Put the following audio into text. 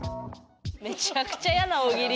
めちゃくちゃやな大喜利。